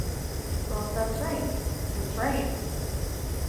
Well, that’s right — that’s right.